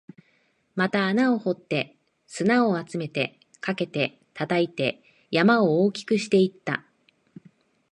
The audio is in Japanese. また穴を掘って、砂を集めて、かけて、叩いて、山を大きくしていった